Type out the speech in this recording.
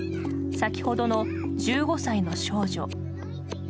先ほどの１５歳の少女。